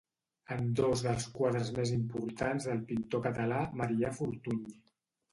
En dos dels quadres més importants del pintor català Marià Fortuny.